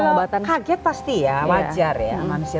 kalau kaget pasti ya wajar ya manusia